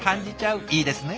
いいですね。